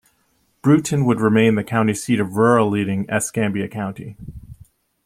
Brewton would remain the county seat of rural-leaning Escambia County.